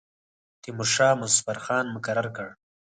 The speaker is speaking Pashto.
تیمورشاه مظفر خان مقرر کړ.